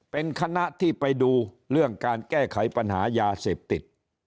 เป็นคณะที่ไปดูเรื่องการแก้ไขปัญหายาเสพติด